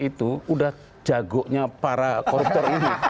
itu udah jago nya para koruptor ini